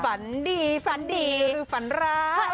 ฝันดีฝันดีฝันร้าย